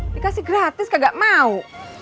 dikasih gratis kagak mau